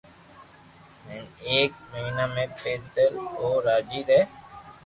ھين ايڪ مھينا ۾ پيدل او راجي ري